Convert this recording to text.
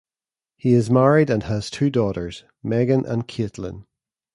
He is married and has two daughters, Megan and Kaitlyn.